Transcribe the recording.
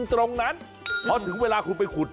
ตรงนั้นเพราะถึงเวลาคุณไป